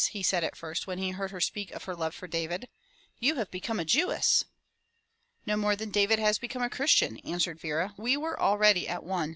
he said at first when he heard her speak of her love for David. "You have become a Jewess." "No more than David has become a Christian," answered Vera. "We were already at one.